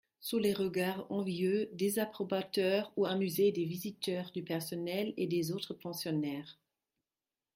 Sous les regards envieux, désapprobateurs ou amusés des visiteurs, du personnel et des autres pensionnaires